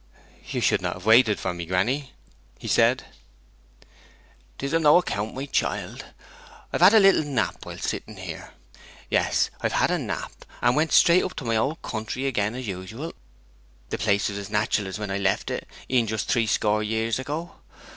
'You should not have waited for me, granny,' he said. ''Tis of no account, my child. I've had a nap while sitting here. Yes, I've had a nap, and went straight up into my old country again, as usual. The place was as natural as when I left it, e'en just threescore years ago!